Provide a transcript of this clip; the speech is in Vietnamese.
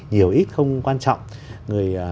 nhiều ít không quan trọng